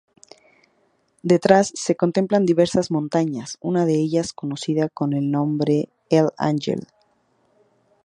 Detrás se contemplan diversas montañas, una de ellas conocida por el nombre l’Angel.